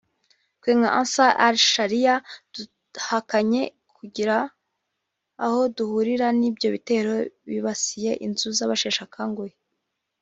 twe nka Ansar al-Sharia duhakanye kugira aho duhurira n’ibyo bitero byibasiye inzu y’abasheshe akanguhe